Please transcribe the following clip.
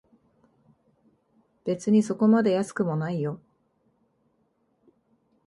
別にそこまで安くもないよ